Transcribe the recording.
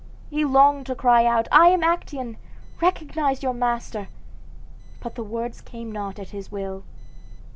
He longed to cry out, "I am Actaeon; recognize your master!" but the words came not at his will.